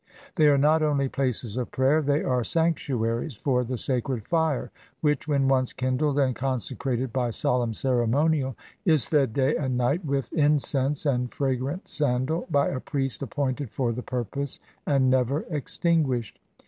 They are not only places of prayer, they are sanctuaries for the sacred fire, which, when once kindled and conse crated by solemn ceremonial, is fed day and night with incense and fragrant sandal by a priest appointed for the purpose, and never extinguished.